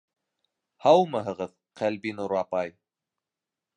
- Һаумыһығыҙ, Ҡәлбинур апай!